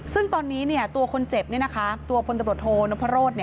ซึ่งตอนนี้ตัวคนเจ็บตัวพลตำรวจโทนพโรธ